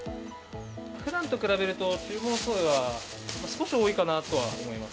ふだんと比べると、注文数は少し多いかなとは思います。